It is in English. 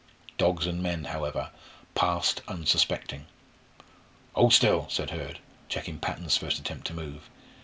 Dogs and men, however, passed unsuspecting. "Hold still!" said Hurd, checking Patton's first attempt to move.